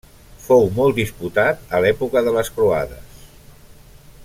Fou molt disputat a l'època de les croades.